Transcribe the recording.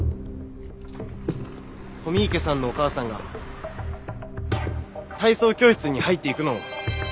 富池さんのお母さんが体操教室に入っていくのを。